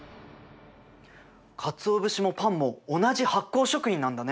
かつお節もパンも同じ発酵食品なんだね。